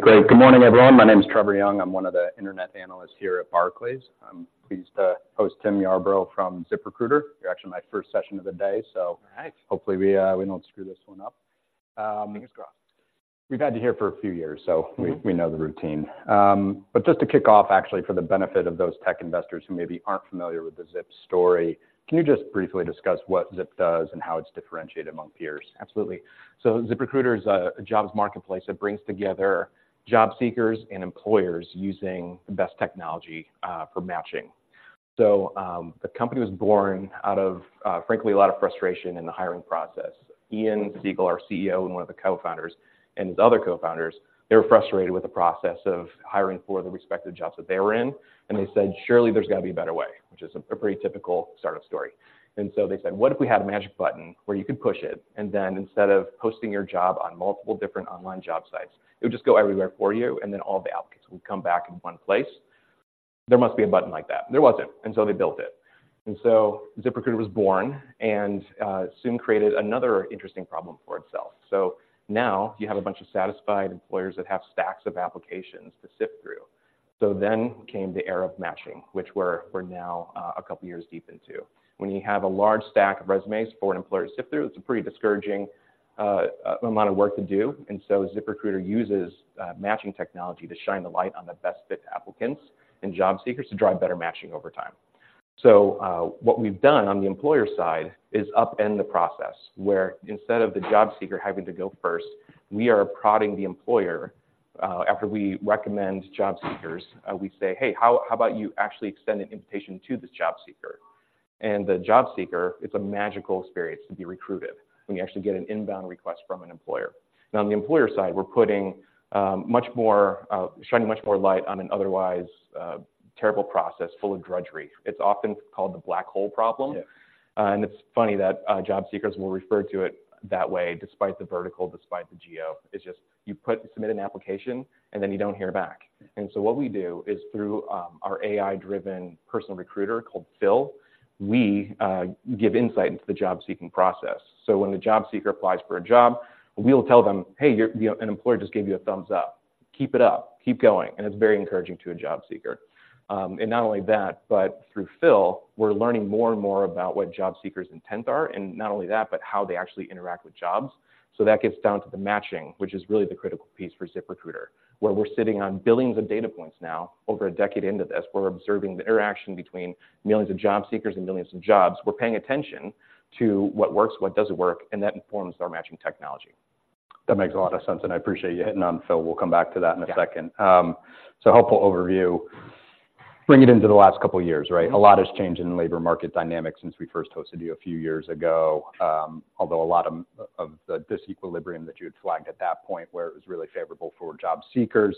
Great. Good morning, everyone. My name is Trevor Young. I'm one of the internet analysts here at Barclays. I'm pleased to host Tim Yarbrough from ZipRecruiter. You're actually my first session of the day, so- All right. Hopefully, we don't screw this one up. Fingers crossed. We've had you here for a few years, so- Mm-hmm. We know the routine. But just to kick off, actually, for the benefit of those tech investors who maybe aren't familiar with the Zip story, can you just briefly discuss what Zip does and how it's differentiated among peers? Absolutely. So ZipRecruiter is a jobs marketplace that brings together job seekers and employers using the best technology for matching. So, the company was born out of, frankly, a lot of frustration in the hiring process. Ian Siegel, our CEO, and one of the co-founders, and his other co-founders, they were frustrated with the process of hiring for the respective jobs that they were in, and they said: Surely, there's got to be a better way, which is a pretty typical startup story. And so they said: What if we had a magic button where you could push it, and then instead of posting your job on multiple different online job sites, it would just go everywhere for you, and then all the applicants would come back in one place? There must be a button like that. There wasn't, and so they built it. So ZipRecruiter was born and soon created another interesting problem for itself. So now you have a bunch of satisfied employers that have stacks of applications to sift through. So then came the era of matching, which we're now a couple of years deep into. When you have a large stack of resumes for an employer to sift through, it's a pretty discouraging amount of work to do, and so ZipRecruiter uses matching technology to shine the light on the best-fit applicants and job seekers to drive better matching over time. So what we've done on the employer side is upend the process, where instead of the job seeker having to go first, we are prodding the employer. After we recommend job seekers, we say, "Hey, how about you actually extend an invitation to this job seeker?" The job seeker, it's a magical experience to be recruited, when you actually get an inbound request from an employer. Now, on the employer side, we're putting much more shining much more light on an otherwise terrible process full of drudgery. It's often called the black hole problem. Yeah. It's funny that job seekers will refer to it that way, despite the vertical, despite the geo. It's just, you submit an application, and then you don't hear back. And so what we do is, through our AI-driven personal recruiter called Phil, we give insight into the job-seeking process. So when the job seeker applies for a job, we'll tell them: "Hey, you're, you know, an employer just gave you a thumbs up. Keep it up. Keep going." And it's very encouraging to a job seeker. And not only that, but through Phil, we're learning more and more about what job seekers' intents are, and not only that, but how they actually interact with jobs. So that gets down to the matching, which is really the critical piece for ZipRecruiter, where we're sitting on billions of data points now, over a decade into this. We're observing the interaction between millions of job seekers and millions of jobs. We're paying attention to what works, what doesn't work, and that informs our matching technology. That makes a lot of sense, and I appreciate you hitting on Phil. We'll come back to that in a second. Yeah. So helpful overview. Bring it into the last couple of years, right? Mm-hmm. A lot has changed in the labor market dynamics since we first hosted you a few years ago, although a lot of the disequilibrium that you had flagged at that point, where it was really favorable for job seekers,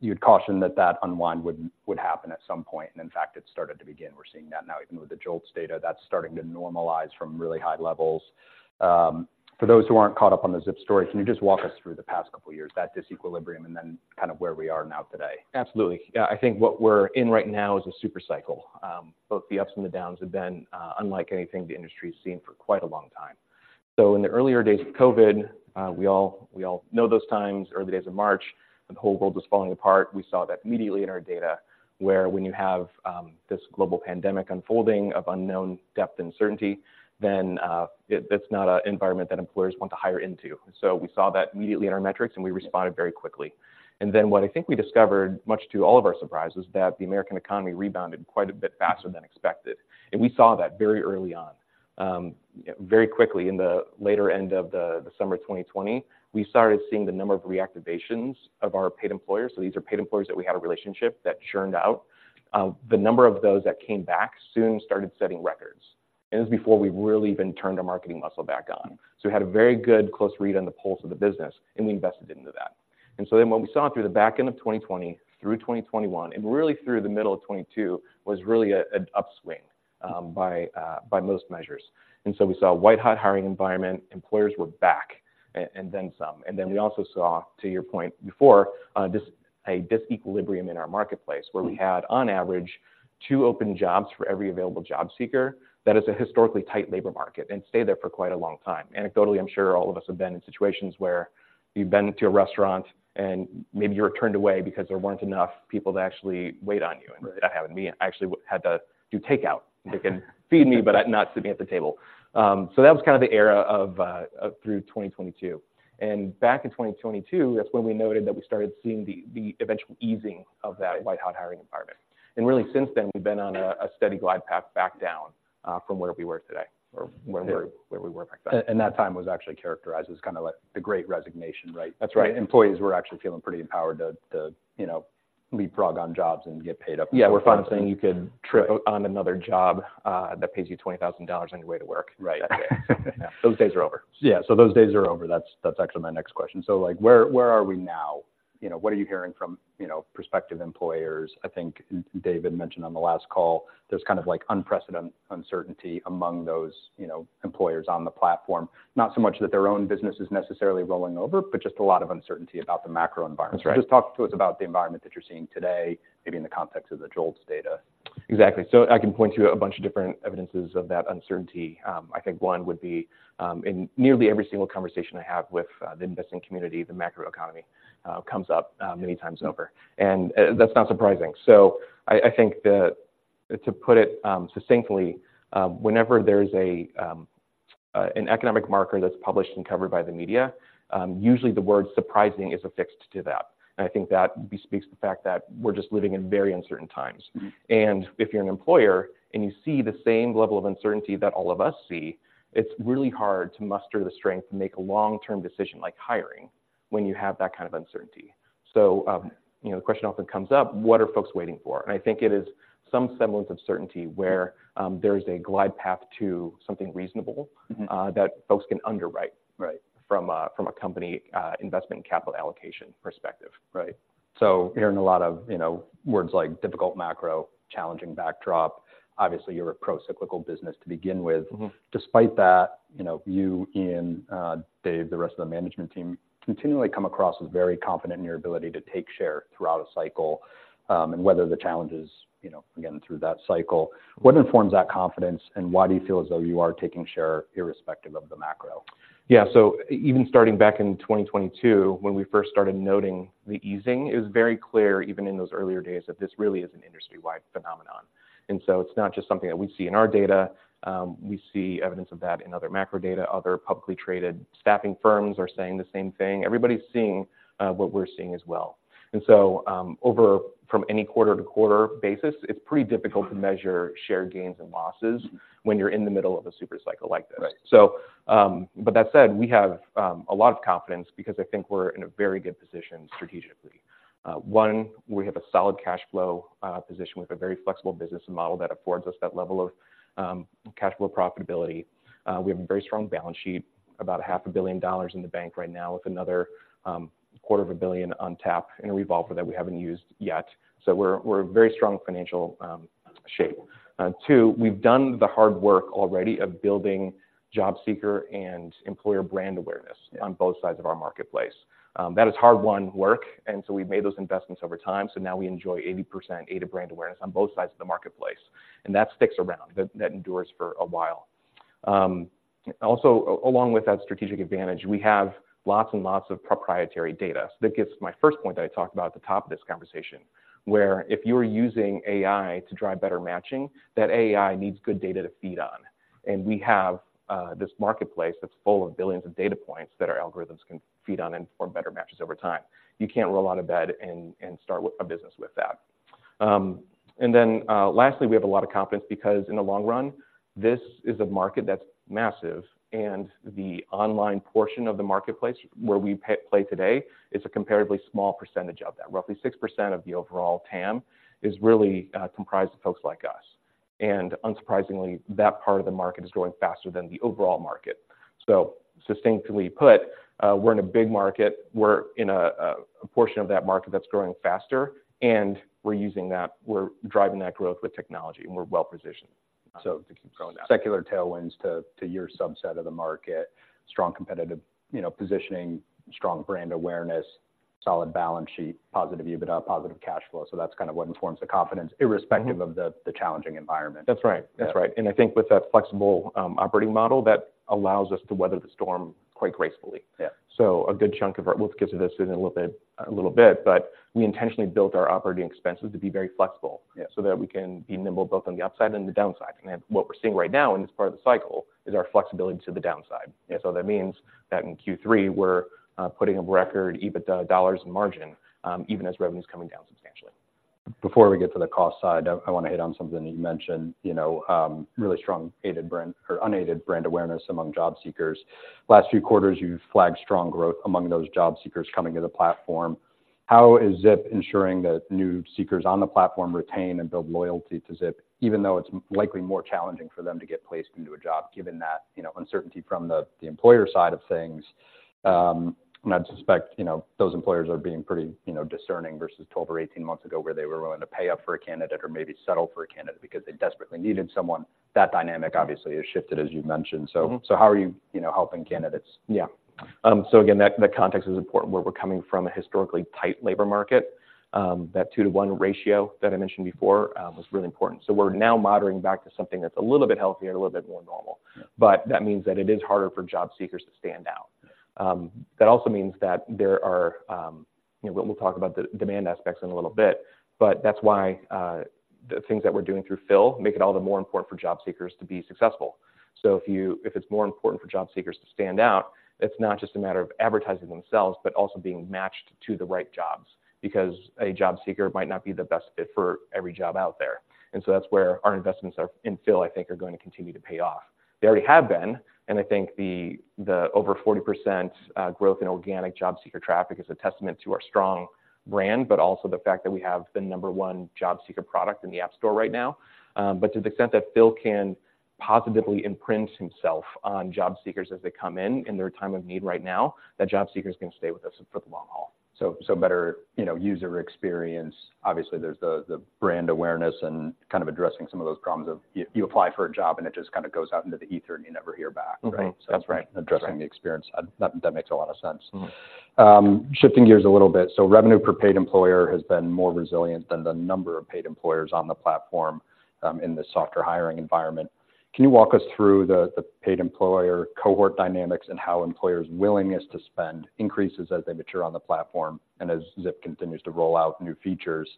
you'd caution that that unwind would happen at some point, and in fact, it started to begin. We're seeing that now, even with the JOLTS data, that's starting to normalize from really high levels. For those who aren't caught up on the Zip story, can you just walk us through the past couple of years, that disequilibrium, and then kind of where we are now today? Absolutely. Yeah, I think what we're in right now is a super cycle. Both the ups and the downs have been unlike anything the industry has seen for quite a long time. So in the earlier days of COVID, we all, we all know those times, early days of March, when the whole world was falling apart. We saw that immediately in our data, where when you have this global pandemic unfolding of unknown depth and certainty, then that's not an environment that employers want to hire into. So we saw that immediately in our metrics, and we responded very quickly. And then what I think we discovered, much to all of our surprise, was that the American economy rebounded quite a bit faster than expected, and we saw that very early on. Very quickly, in the later end of the summer 2020, we started seeing the number of reactivations of our paid employers, so these are paid employers that we had a relationship that churned out. The number of those that came back soon started setting records, and this is before we really even turned our marketing muscle back on. So we had a very good close read on the pulse of the business, and we invested into that. And so then what we saw through the back end of 2020, through 2021, and really through the middle of 2022, was really an upswing by most measures. And so we saw a white-hot hiring environment. Employers were back and then some. And then we also saw, to your point before, a disequilibrium in our marketplace, where we had, on average, 2 open jobs for every available job seeker. That is a historically tight labor market and stayed there for quite a long time. Anecdotally, I'm sure all of us have been in situations where you've been to a restaurant, and maybe you were turned away because there weren't enough people to actually wait on you. Right. That happened to me. I actually had to do takeout. They can feed me, but not sitting at the table. So that was kind of the era of through 2022. Back in 2022, that's when we noted that we started seeing the eventual easing of that- Right white-hot hiring environment. Really, since then, we've been on a steady glide path back down from where we were today or where we- Yeah... where we were back then. That time was actually characterized as kind of, like, the Great Resignation, right? That's right. Employees were actually feeling pretty empowered to, you know, leapfrog on jobs and get paid up- Yeah, we're fond of saying you could- Sure trip on another job that pays you $20,000 on your way to work. Right. Yeah. Those days are over. Yeah, so those days are over. That's actually my next question. So, like, where are we now? You know, what are you hearing from, you know, prospective employers? I think David mentioned on the last call, there's kind of like, unprecedented uncertainty among those, you know, employers on the platform. Not so much that their own business is necessarily rolling over, but just a lot of uncertainty about the macro environment. That's right. Just talk to us about the environment that you're seeing today, maybe in the context of the JOLTS data?... Exactly. So I can point to a bunch of different evidences of that uncertainty. I think one would be, in nearly every single conversation I have with the investing community, the macroeconomy comes up many times over, and that's not surprising. So I, I think that to put it succinctly, whenever there's a an economic marker that's published and covered by the media, usually the word surprising is affixed to that. And I think that bespeaks the fact that we're just living in very uncertain times. And if you're an employer, and you see the same level of uncertainty that all of us see, it's really hard to muster the strength to make a long-term decision like hiring when you have that kind of uncertainty. So, you know, the question often comes up, what are folks waiting for? And I think it is some semblance of certainty where, there's a glide path to something reasonable- Mm-hmm. - that folks can underwrite- Right From a company investment capital allocation perspective. Right. So hearing a lot of, you know, words like difficult macro, challenging backdrop, obviously, you're a procyclical business to begin with. Mm-hmm. Despite that, you know, you, Ian, Dave, the rest of the management team, continually come across as very confident in your ability to take share throughout a cycle, and weather the challenges, you know, again, through that cycle. What informs that confidence, and why do you feel as though you are taking share irrespective of the macro? Yeah, so even starting back in 2022, when we first started noting the easing, it was very clear, even in those earlier days, that this really is an industry-wide phenomenon. And so it's not just something that we see in our data, we see evidence of that in other macro data. Other publicly traded staffing firms are saying the same thing. Everybody's seeing what we're seeing as well. And so, overall from any quarter-to-quarter basis, it's pretty difficult to measure share gains and losses when you're in the middle of a super cycle like this. Right. So, but that said, we have a lot of confidence because I think we're in a very good position strategically. One, we have a solid cash flow position with a very flexible business model that affords us that level of cash flow profitability. We have a very strong balance sheet, about $500 million in the bank right now, with another $250 million on tap in a revolver that we haven't used yet. So we're, we're in very strong financial shape. Two, we've done the hard work already of building job seeker and employer brand awareness- Yeah - on both sides of our marketplace. That is hard-won work, and so we've made those investments over time, so now we enjoy 80% aided brand awareness on both sides of the marketplace, and that sticks around. That endures for a while. Also, along with that strategic advantage, we have lots and lots of proprietary data. So that gets to my first point that I talked about at the top of this conversation, where if you are using AI to drive better matching, that AI needs good data to feed on, and we have this marketplace that's full of billions of data points that our algorithms can feed on and form better matches over time. You can't roll out of bed and start with a business with that. And then, lastly, we have a lot of confidence because, in the long run, this is a market that's massive, and the online portion of the marketplace where we play today is a comparatively small percentage of that. Roughly 6% of the overall TAM is really comprised of folks like us, and unsurprisingly, that part of the market is growing faster than the overall market. So succinctly put, we're in a big market, we're in a portion of that market that's growing faster, and we're using that... We're driving that growth with technology, and we're well positioned to keep growing that. Secular tailwinds to your subset of the market, strong competitive, you know, positioning, strong brand awareness, solid balance sheet, positive EBITDA, positive cash flow. So that's kind of what informs the confidence, irrespective- Mm-hmm. of the challenging environment. That's right. Yeah. That's right. And I think with that flexible, operating model, that allows us to weather the storm quite gracefully. Yeah. A good chunk of our-- we'll get to this in a little bit, a little bit, but we intentionally built our operating expenses to be very flexible- Yeah so that we can be nimble, both on the upside and the downside. What we're seeing right now in this part of the cycle is our flexibility to the downside. Yeah. That means that in Q3, we're putting up record EBITDA dollars in margin, even as revenue's coming down substantially. Before we get to the cost side, I wanna hit on something that you mentioned, you know, really strong aided brand or unaided brand awareness among job seekers. Last few quarters, you've flagged strong growth among those job seekers coming to the platform. How is Zip ensuring that new seekers on the platform retain and build loyalty to Zip, even though it's more likely more challenging for them to get placed into a job, given that, you know, uncertainty from the employer side of things? And I'd suspect, you know, those employers are being pretty, you know, discerning versus 12 or 18 months ago, where they were willing to pay up for a candidate or maybe settle for a candidate because they desperately needed someone. That dynamic obviously has shifted, as you've mentioned. Mm-hmm. So, how are you, you know, helping candidates? Yeah. So again, that context is important, where we're coming from a historically tight labor market. That 2-to-1 ratio that I mentioned before was really important. So we're now moderating back to something that's a little bit healthier and a little bit more normal. Yeah. But that means that it is harder for job seekers to stand out. That also means that there are, you know... We'll talk about the demand aspects in a little bit, but that's why the things that we're doing through Phil make it all the more important for job seekers to be successful. So if it's more important for job seekers to stand out, it's not just a matter of advertising themselves, but also being matched to the right jobs, because a job seeker might not be the best fit for every job out there. And so that's where our investments are, in Phil, I think, are going to continue to pay off. They already have been, and I think the over 40% growth in organic job seeker traffic is a testament to our strong brand, but also the fact that we have the number one job seeker product in the App Store right now. But to the extent that Phil can positively imprint himself on job seekers as they come in, in their time of need right now, that job seeker is going to stay with us for the long haul. ... So better, you know, user experience. Obviously, there's the brand awareness and kind of addressing some of those problems of you apply for a job, and it just kind of goes out into the ether, and you never hear back, right? Mm-hmm. That's right. Addressing the experience, that makes a lot of sense. Mm-hmm. Shifting gears a little bit. So revenue per paid employer has been more resilient than the number of paid employers on the platform, in the softer hiring environment. Can you walk us through the paid employer cohort dynamics and how employers' willingness to spend increases as they mature on the platform and as Zip continues to roll out new features?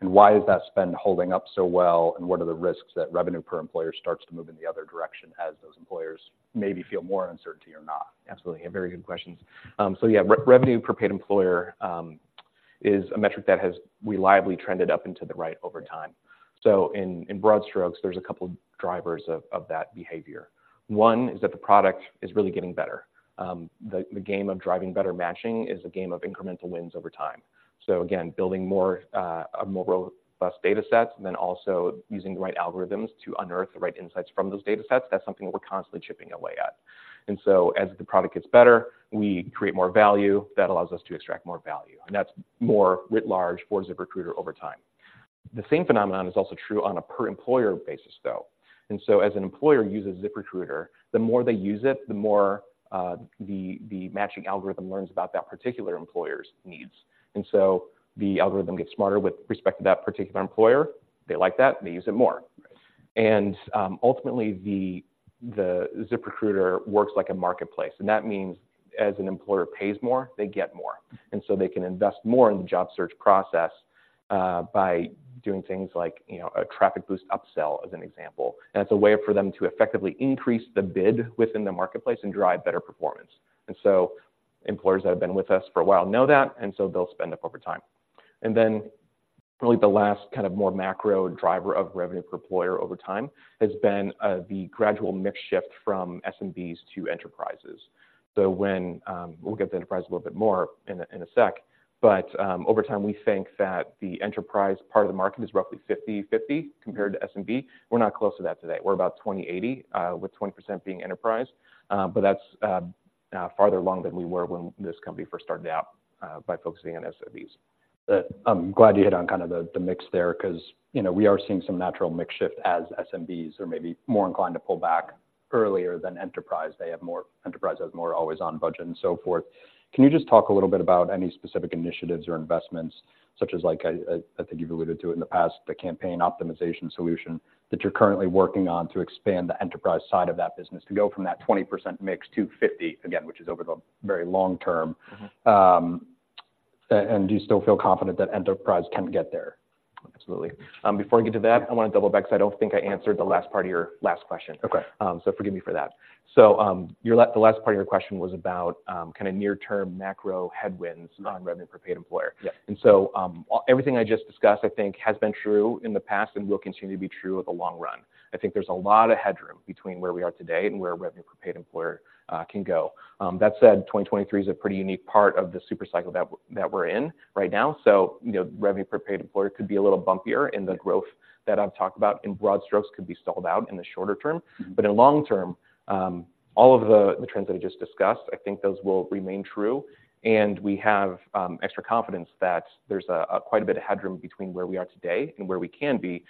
And why is that spend holding up so well, and what are the risks that revenue per employer starts to move in the other direction as those employers maybe feel more uncertainty or not? Absolutely. Very good questions. So yeah, revenue per paid employer is a metric that has reliably trended up into the right over time. So in broad strokes, there's a couple drivers of that behavior. One, is that the product is really getting better. The game of driving better matching is a game of incremental wins over time. So again, building more, a more robust data sets, and then also using the right algorithms to unearth the right insights from those data sets, that's something that we're constantly chipping away at. And so as the product gets better, we create more value, that allows us to extract more value, and that's more writ large for ZipRecruiter over time. The same phenomenon is also true on a per-employer basis, though. And so as an employer uses ZipRecruiter, the more they use it, the more the matching algorithm learns about that particular employer's needs. And so the algorithm gets smarter with respect to that particular employer. They like that, and they use it more. Right. Ultimately, the ZipRecruiter works like a marketplace, and that means as an employer pays more, they get more. And so they can invest more in the job search process by doing things like, you know, a Traffic Boost upsell, as an example. And that's a way for them to effectively increase the bid within the marketplace and drive better performance. And so employers that have been with us for a while know that, and so they'll spend up over time. And then really the last kind of more macro driver of revenue per employer over time has been the gradual mix shift from SMBs to enterprises. So when... We'll get to enterprise a little bit more in a sec, but over time, we think that the enterprise part of the market is roughly 50/50 compared to SMB. We're not close to that today. We're about 20-80, with 20% being enterprise. But that's farther along than we were when this company first started out, by focusing on SMBs. But I'm glad you hit on kind of the mix there, 'cause, you know, we are seeing some natural mix shift as SMBs are maybe more inclined to pull back earlier than enterprise. Enterprise has more always on budget and so forth. Can you just talk a little bit about any specific initiatives or investments, such as like, I think you've alluded to it in the past, the Campaign Optimization solution, that you're currently working on to expand the enterprise side of that business, to go from that 20% mix to 50, again, which is over the very long term? Mm-hmm. Do you still feel confident that Enterprise can get there? Absolutely. Before I get to that, I want to double back, because I don't think I answered the last part of your last question. Okay. So forgive me for that. So, the last part of your question was about, kind of near-term macro headwinds- Mm. on revenue per paid employer. Yes. And so, everything I just discussed, I think, has been true in the past and will continue to be true in the long run. I think there's a lot of headroom between where we are today and where revenue per paid employer can go. That said, 2023 is a pretty unique part of the super cycle that we're in right now. So, you know, revenue per paid employer could be a little bumpier, and the growth that I've talked about in broad strokes could be stalled out in the shorter term. Mm-hmm. But in long term, all of the trends that I just discussed, I think those will remain true, and we have extra confidence that there's quite a bit of headroom between where we are today and where we can be,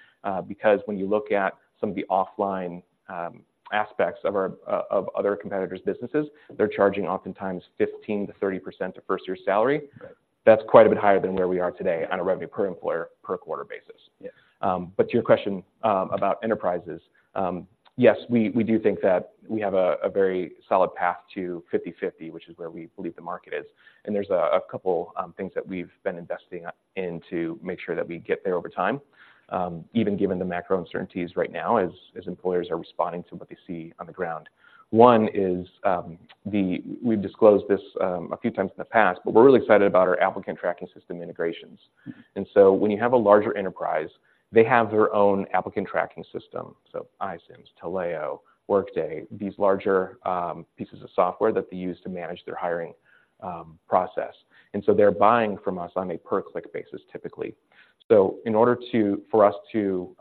because when you look at some of the offline aspects of other competitors' businesses, they're charging oftentimes 15%-30% of first year salary. Right. That's quite a bit higher than where we are today on a revenue per employer per quarter basis. Yes. To your question about enterprises, yes, we do think that we have a very solid path to 50/50, which is where we believe the market is. There's a couple things that we've been investing in to make sure that we get there over time, even given the macro uncertainties right now, as employers are responding to what they see on the ground. One is... We've disclosed this a few times in the past, but we're really excited about our applicant tracking system integrations. Mm-hmm. And so when you have a larger enterprise, they have their own applicant tracking system. So iCIMS, Taleo, Workday, these larger, pieces of software that they use to manage their hiring, process. And so they're buying from us on a per-click basis, typically. So in order to, for us to,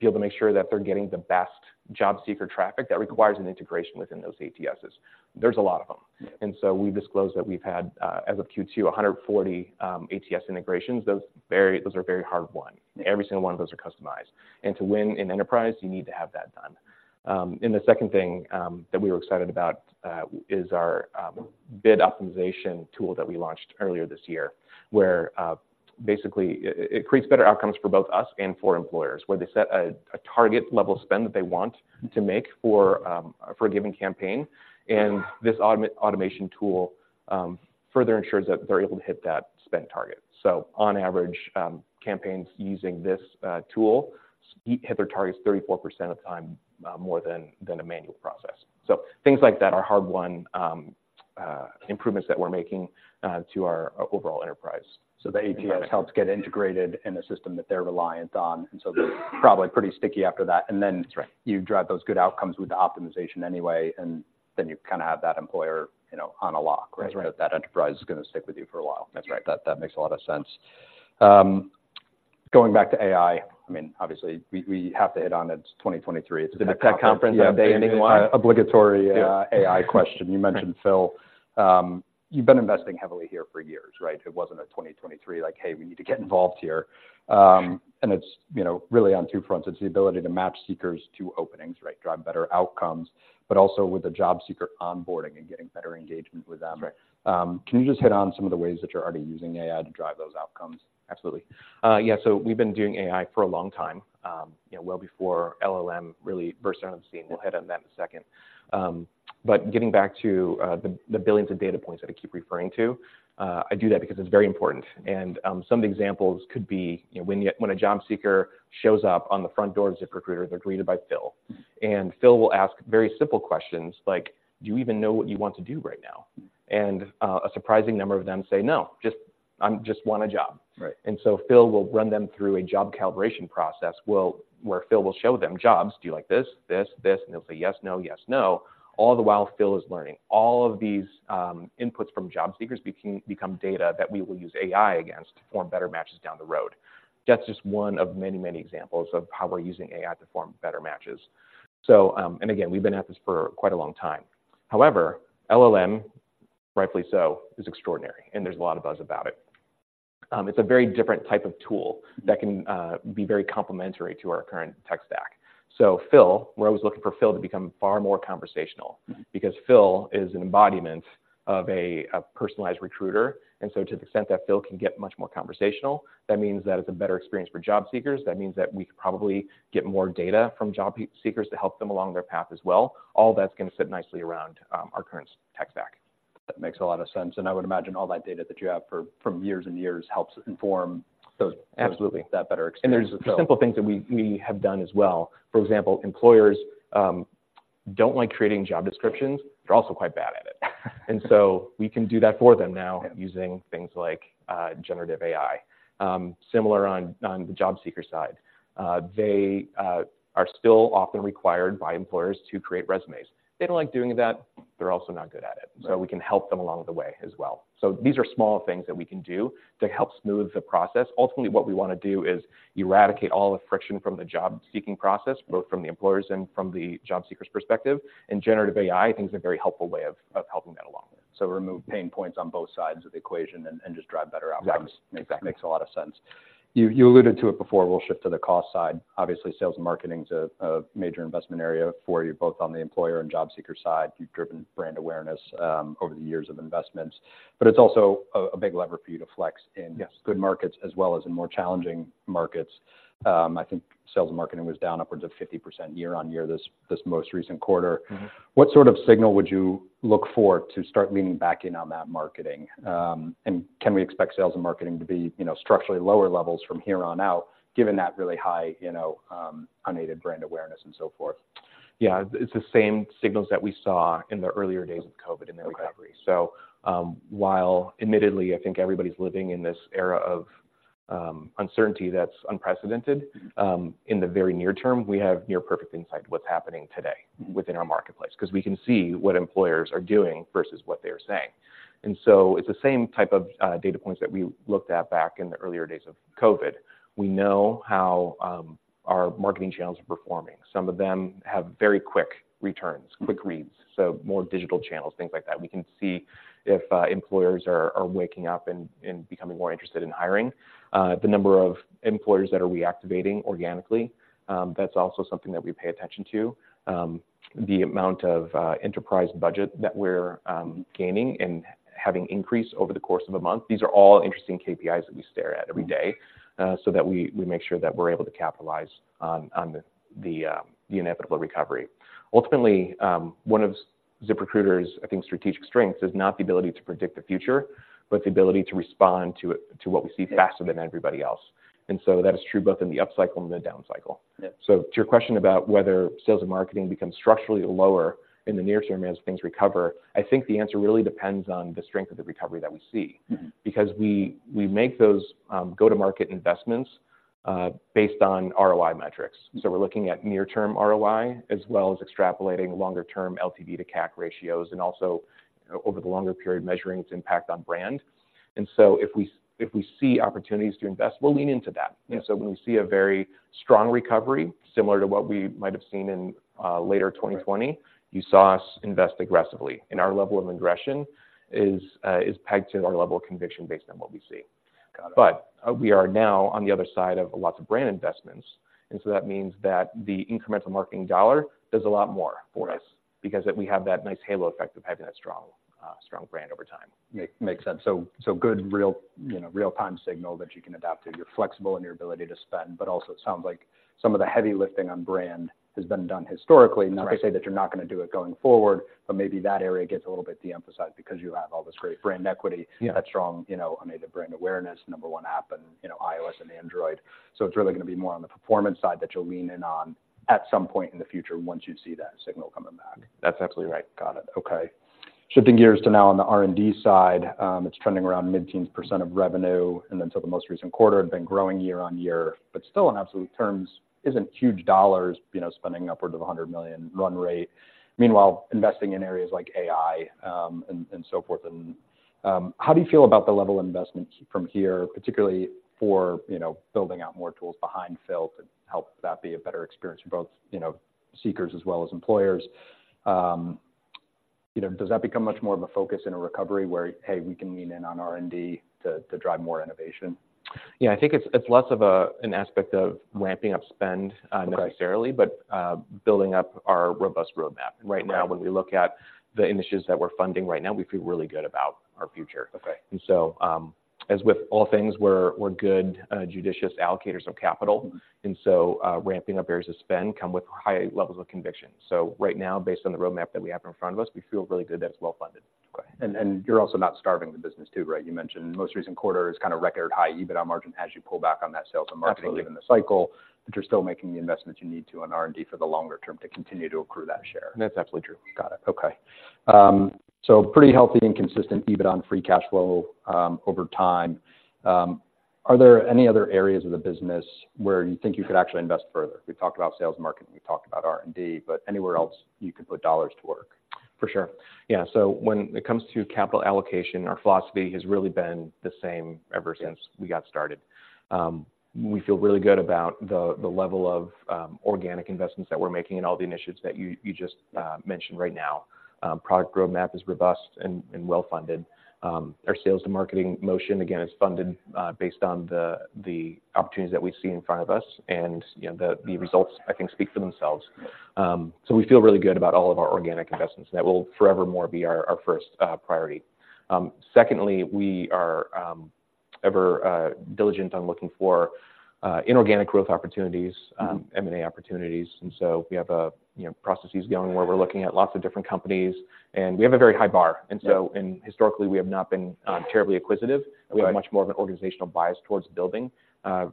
be able to make sure that they're getting the best job seeker traffic, that requires an integration within those ATSs. There's a lot of them. Yeah. So we've disclosed that we've had, as of Q2, 140 ATS integrations. Those are very hard won. Yeah. Every single one of those are customized. To win in enterprise, you need to have that done. And the second thing that we were excited about is our bid optimization tool that we launched earlier this year, where basically it creates better outcomes for both us and for employers, where they set a target level of spend that they want- Mm. -to make for, for a given campaign, and this automation tool further ensures that they're able to hit that spend target. So on average, campaigns using this tool hit their targets 34% of the time, more than a manual process. So things like that are hard-won improvements that we're making to our overall enterprise. So the ATS helps get integrated in a system that they're reliant on, and so they're probably pretty sticky after that. And then- That's right. You drive those good outcomes with the optimization anyway, and then you kind of have that employer, you know, on a lock, right? That's right. That enterprise is going to stick with you for a while. That's right. That makes a lot of sense. Going back to AI, I mean, obviously, we have to hit on it. It's 2023. The tech conference, yeah. Obligatory, AI question. Yeah. You mentioned Phil. You've been investing heavily here for years, right? It wasn't a 2023, like, "Hey, we need to get involved here." And it's, you know, really on two fronts. It's the ability to match seekers to openings, right? Drive better outcomes, but also with the job seeker onboarding and getting better engagement with them. That's right. Can you just hit on some of the ways that you're already using AI to drive those outcomes? Absolutely. Yeah, so we've been doing AI for a long time, you know, well before LLM really burst onto the scene. Mm-hmm. We'll hit on that in a second. But getting back to the billions of data points that I keep referring to, I do that because it's very important. Some of the examples could be, you know, when a job seeker shows up on the front door of ZipRecruiter, they're greeted by Phil. And Phil will ask very simple questions like: Do you even know what you want to do right now? And a surprising number of them say, "No, just want a job. Right. And so Phil will run them through a job calibration process, well, where Phil will show them jobs. "Do you like this, this, this?" And they'll say, "Yes," "No," "Yes," "No." All the while, Phil is learning. All of these, inputs from job seekers become data that we will use AI against to form better matches down the road. That's just one of many, many examples of how we're using AI to form better matches. So, and again, we've been at this for quite a long time. However, LLM, rightfully so, is extraordinary, and there's a lot of buzz about it. It's a very different type of tool that can be very complementary to our current tech stack. So Phil, we're always looking for Phil to become far more conversational- Mm-hmm... because Phil is an embodiment of a personalized recruiter. So to the extent that Phil can get much more conversational, that means that it's a better experience for job seekers. That means that we could probably get more data from job seekers to help them along their path as well. All that's gonna sit nicely around our current tech stack. That makes a lot of sense, and I would imagine all that data that you have from years and years helps inform those- Absolutely that better experience. There's simple things that we have done as well. For example, employers don't like creating job descriptions. They're also quite bad at it. And so we can do that for them now- Yeah -using things like, generative AI. Similar on the job seeker side, they are still often required by employers to create resumes. They don't like doing that. They're also not good at it. Right. So we can help them along the way as well. So these are small things that we can do to help smooth the process. Ultimately, what we wanna do is eradicate all the friction from the job seeking process, both from the employers and from the job seekers' perspective. And generative AI, I think, is a very helpful way of, of helping that along. Remove pain points on both sides of the equation and just drive better outcomes. Exactly. Makes a lot of sense. You, you alluded to it before. We'll shift to the cost side. Obviously, sales and marketing is a major investment area for you, both on the employer and job seeker side. You've driven brand awareness over the years of investments, but it's also a big lever for you to flex in- Yes good markets as well as in more challenging markets. I think sales and marketing was down upwards of 50% year-on-year, this most recent quarter. Mm-hmm. What sort of signal would you look for to start leaning back in on that marketing? And can we expect sales and marketing to be, you know, structurally lower levels from here on out, given that really high, you know, unaided brand awareness and so forth? Yeah. It's the same signals that we saw in the earlier days of COVID and the recovery. Okay. So, while admittedly, I think everybody's living in this era of uncertainty that's unprecedented. Mm-hmm... in the very near term, we have near perfect insight to what's happening today within our marketplace, 'cause we can see what employers are doing versus what they are saying. And so it's the same type of data points that we looked at back in the earlier days of COVID. We know how our marketing channels are performing. Some of them have very quick returns, quick reads, so more digital channels, things like that. We can see if employers are waking up and becoming more interested in hiring. The number of employers that are reactivating organically, that's also something that we pay attention to. The amount of enterprise budget that we're gaining and having increased over the course of a month. These are all interesting KPIs that we stare at every day, so that we make sure that we're able to capitalize on the inevitable recovery. Ultimately, one of ZipRecruiter's, I think, strategic strengths is not the ability to predict the future, but the ability to respond to what we see faster than everybody else. Yeah. That is true both in the upcycle and the down cycle. Yeah. So to your question about whether sales and marketing become structurally lower in the near term as things recover, I think the answer really depends on the strength of the recovery that we see. Mm-hmm. Because we make those go-to-market investments based on ROI metrics. Mm-hmm. We're looking at near-term ROI, as well as extrapolating longer-term LTV to CAC ratios, and also, over the longer period, measuring its impact on brand. If we, if we see opportunities to invest, we'll lean into that. Yeah. And so when we see a very strong recovery, similar to what we might have seen in later 2020. Right... you saw us invest aggressively, and our level of aggression is pegged to our level of conviction based on what we see. Got it. But, we are now on the other side of lots of brand investments, and so that means that the incremental marketing dollar does a lot more for us- Right because we have that nice halo effect of having that strong, strong brand over time. Makes sense. So, so good real-time signal that you can adapt to, you know. You're flexible in your ability to spend, but also it sounds like some of the heavy lifting on brand has been done historically. Right. Not to say that you're not gonna do it going forward, but maybe that area gets a little bit de-emphasized because you have all this great brand equity- Yeah... that strong, you know, unaided brand awareness, number one app in, you know, iOS and Android. So it's really gonna be more on the performance side that you'll lean in on at some point in the future once you see that signal? That's absolutely right. Got it. Okay. Shifting gears to now on the R&D side, it's trending around mid-teens% of revenue, and until the most recent quarter, had been growing year-over-year, but still in absolute terms, isn't huge dollars, you know, spending upwards of $100 million run rate. Meanwhile, investing in areas like AI, and so forth, and how do you feel about the level of investment from here, particularly for, you know, building out more tools behind Phil to help that be a better experience for both, you know, seekers as well as employers? You know, does that become much more of a focus in a recovery where, hey, we can lean in on R&D to drive more innovation? Yeah, I think it's less of an aspect of ramping up spend, necessarily- Right... but, building up our robust roadmap. Right. Right now, when we look at the initiatives that we're funding right now, we feel really good about our future. Okay. So, as with all things, we're good judicious allocators of capital, and so, ramping up areas of spend come with high levels of conviction. So right now, based on the roadmap that we have in front of us, we feel really good that it's well-funded. Okay. And you're also not starving the business too, right? You mentioned the most recent quarter is kind of record high EBITDA margin as you pull back on that sales and marketing- Absolutely Given the cycle, but you're still making the investments you need to on R&D for the longer term to continue to accrue that share. That's absolutely true. Got it. Okay. So pretty healthy and consistent EBITDA on free cash flow, over time. Are there any other areas of the business where you think you could actually invest further? We've talked about sales and marketing, we've talked about R&D, but anywhere else you can put dollars to work? For sure. Yeah, so when it comes to capital allocation, our philosophy has really been the same ever since- Yeah We got started. We feel really good about the level of organic investments that we're making and all the initiatives that you just mentioned right now. Product roadmap is robust and well-funded. Our sales and marketing motion, again, is funded based on the opportunities that we see in front of us, and you know the results, I think, speak for themselves. So we feel really good about all of our organic investments, and that will forevermore be our first priority. Secondly, we are ever diligent on looking for inorganic growth opportunities, M&A opportunities. And so we have processes going where we're looking at lots of different companies, and we have a very high bar. Yeah. Historically, we have not been terribly acquisitive. Right. We have much more of an organizational bias towards building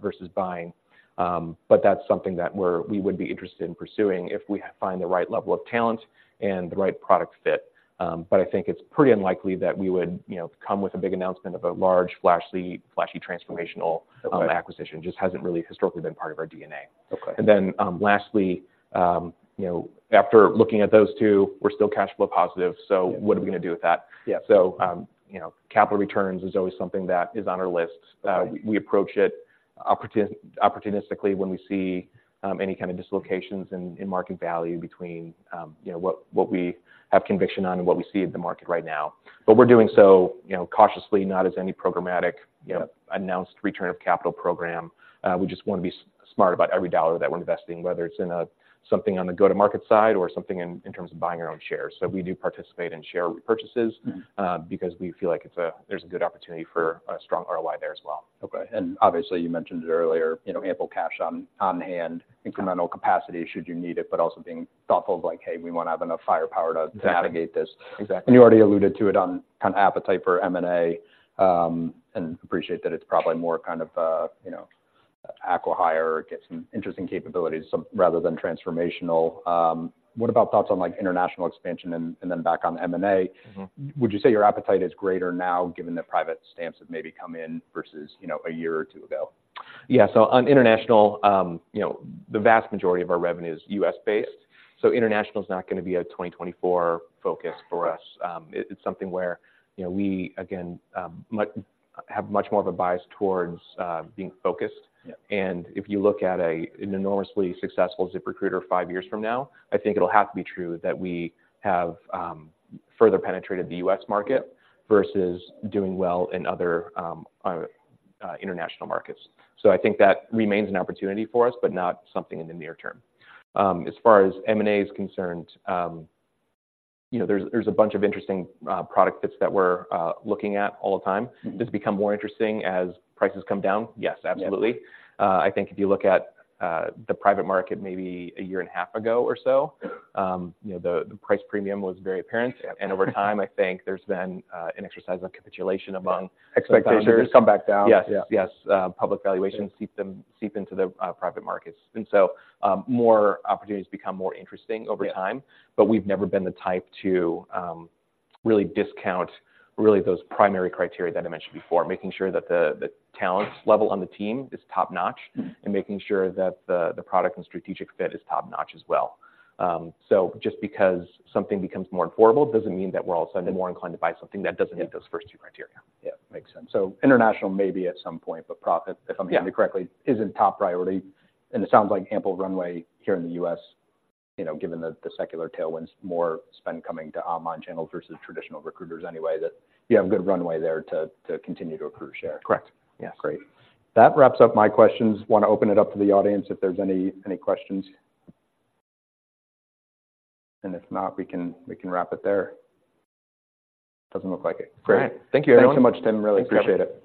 versus buying. But that's something that we would be interested in pursuing if we find the right level of talent and the right product fit. But I think it's pretty unlikely that we would, you know, come with a big announcement of a large, flashy, flashy, transformational- Okay... acquisition. Just hasn't really historically been part of our DNA. Okay. And then, lastly, you know, after looking at those two, we're still cash flow positive, so- Yeah What are we gonna do with that? Yeah. You know, capital returns is always something that is on our list. Right. We approach it opportunistically when we see any kind of dislocations in market value between, you know, what we have conviction on and what we see in the market right now. But we're doing so, you know, cautiously, not as any programmatic- Yeah -announced return of capital program. We just wanna be smart about every dollar that we're investing, whether it's in something on the go-to-market side or something in terms of buying our own shares. So we do participate in share repurchases- Mm-hmm... because we feel like it's a, there's a good opportunity for a strong ROI there as well. Okay. And obviously, you mentioned it earlier, you know, ample cash on hand, incremental capacity should you need it, but also being thoughtful of like, "Hey, we wanna have enough firepower to navigate this. Exactly. And you already alluded to it on kind of appetite for M&A, and appreciate that it's probably more kind of, you know, acqui-hire, get some interesting capabilities, so rather than transformational. What about thoughts on, like, international expansion and then back on M&A? Mm-hmm. Would you say your appetite is greater now, given the private comps have maybe come in versus, you know, a year or two ago? Yeah. So on international, you know, the vast majority of our revenue is U.S.-based, so international is not gonna be a 2024 focus for us. It's something where, you know, we, again, have much more of a bias towards being focused. Yeah. If you look at an enormously successful ZipRecruiter five years from now, I think it'll have to be true that we have further penetrated the U.S. market versus doing well in other international markets. So I think that remains an opportunity for us, but not something in the near term. As far as M&A is concerned, you know, there's a bunch of interesting product fits that we're looking at all the time. Mm-hmm. Does it become more interesting as prices come down? Yes, absolutely. Yeah. I think if you look at the private market maybe a year and a half ago or so, you know, the price premium was very apparent. Yeah. Over time, I think there's been an exercise of capitulation among- Expectations come back down. Yes. Yeah. Yes, public valuations seep into the private markets. And so, more opportunities become more interesting over time- Yeah... but we've never been the type to really discount really those primary criteria that I mentioned before, making sure that the talent level on the team is top-notch- Mm-hmm... and making sure that the product and strategic fit is top-notch as well. So just because something becomes more affordable, doesn't mean that we're all of a sudden more inclined to buy something that doesn't meet those first two criteria. Yeah, makes sense. So international, maybe at some point, but profit, if I'm hearing you correctly- Yeah... isn't top priority, and it sounds like ample runway here in the U.S., you know, given the secular tailwinds, more spend coming to online channels versus traditional recruiters anyway, that you have a good runway there to continue to accrue share. Correct. Yes. Great. That wraps up my questions. Want to open it up to the audience if there's any, any questions. If not, we can, we can wrap it there. Doesn't look like it. Great. Thank you, everyone. Thanks so much, Tim. Really appreciate it.